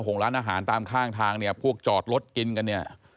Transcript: ห่วงร้านอาหารตามข้างทางพวกจอดรถกินกัน